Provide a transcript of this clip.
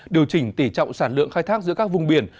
điều chỉnh tỉ trọng sản lượng khai thác giữa các vùng biển